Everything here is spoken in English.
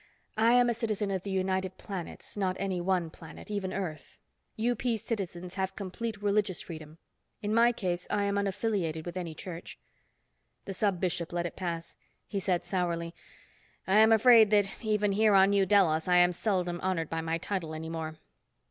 "I am a citizen of the United Planets, not any one planet, even Earth. UP citizens have complete religious freedom. In my case I am unaffiliated with any church." The Sub Bishop let it pass. He said sourly, "I am afraid that even here on New Delos, I am seldom honoured by my title any more.